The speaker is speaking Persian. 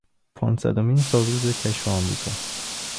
پانصدمین سالروز کشف امریکا